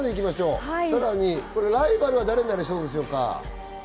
さらにライバルは誰になりそうですか？